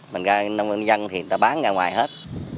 bằng ra nông dân thì ta bán ra ngoài hết